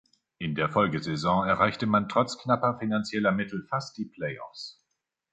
In der Folgesaison erreichte man trotz knapper finanzieller Mittel fast die Play-Offs.